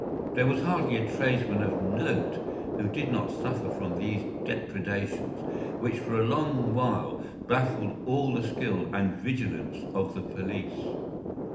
There was hardly a tradesman of note who did not suffer from these depredations, which for a long while baffled all the skill and vigilance of the police.